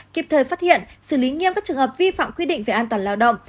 kịp thời phát hiện xử lý nghiêm các trường hợp vi phạm quy định về an toàn lao động